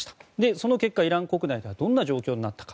その結果、イラン国内ではどういう状態になったか。